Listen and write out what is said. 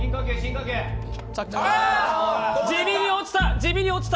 地味に落ちた！